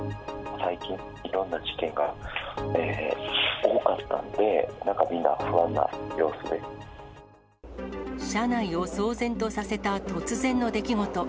最近、いろんな事件が多かったん車内を騒然とさせた突然の出来事。